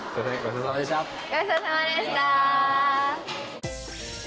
ごちそうさまでした。